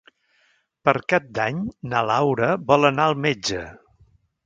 Per Cap d'Any na Laura vol anar al metge.